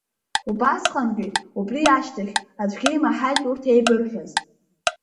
Убасҟангьы, убри ашьҭахьгьы, аӡәгьы имаҳаит урҭ еибырҳәаз.